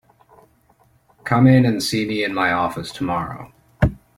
Come in and see me in my office tomorrow.